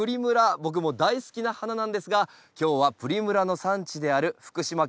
僕も大好きな花なんですが今日はプリムラの産地である福島県